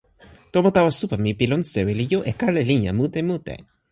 tomo tawa supa mi pi lon sewi li jo e kala linja mute mute